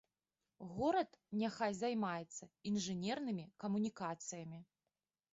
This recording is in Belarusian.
Горад няхай займаецца інжынернымі камунікацыямі.